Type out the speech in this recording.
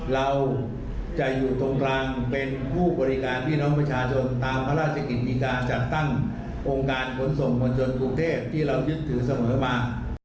เราจะอยู่ตรงกลางเป็นผู้บริการพี่น้องประชาชนตามพระราชกิจมีการจัดตั้งองค์การขนส่งมวลชนกรุงเทพที่เรายึดถือเสมอมา